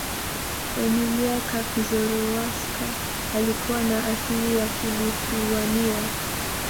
emilia kaczorowska alikuwa na asili ya kiluthiwania